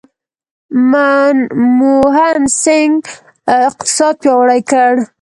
منموهن سینګ اقتصاد پیاوړی کړ.